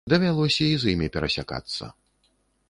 Давялося і з імі перасякацца.